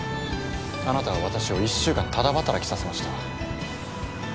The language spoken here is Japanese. あなたは私を１週間タダ働きさせました。